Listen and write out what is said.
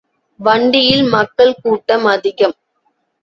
வண்டியில் மக்கள் கூட்டம் அதிகம்.